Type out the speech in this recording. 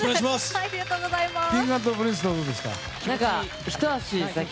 ありがとうございます。